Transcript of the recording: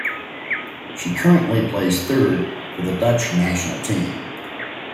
She currently plays third for the Dutch national team.